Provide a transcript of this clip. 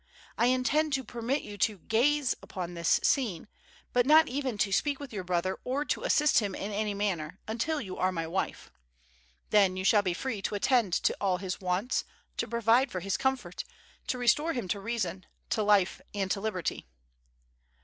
I intend to permit you to gaze upon this scene, but not even to speak with your brother, or to assist him in any manner, until you are my wife. Then you shall be free to attend to all his wants, to provide for his comfort, to restore him to reason, to life and to liberty."